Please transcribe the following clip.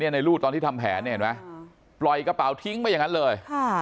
ในรูดตอนที่ทำแผนเนี่ยเห็นไหมปล่อยกระเป๋าทิ้งไปอย่างนั้นเลย